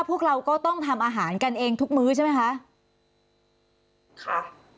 พวกเราก็ต้องทำอาหารกันเองทุกมื้อใช่ไหมคะค่ะ